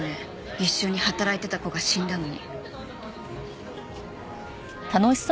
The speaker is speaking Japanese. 一緒に働いてた子が死んだのに。